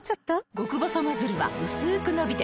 極細ノズルはうすく伸びて